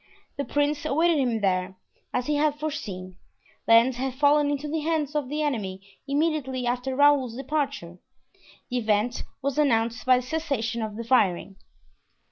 The prince awaited him there. As he had foreseen, Lens had fallen into the hands of the enemy immediately after Raoul's departure. The event was announced by the cessation of the firing.